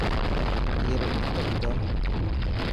اي رو مطلب ٻڌا.